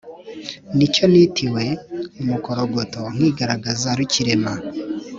ni cyo nitiwe umukogoto nkigaragaza rukirema